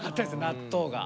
納豆が。